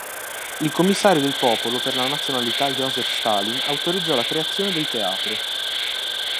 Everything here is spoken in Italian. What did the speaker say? Il commissario del popolo per le nazionalità Joseph Stalin autorizzò la creazione del teatro.